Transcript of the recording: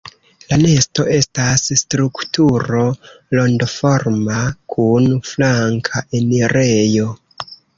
La nesto estas strukturo rondoforma kun flanka enirejo.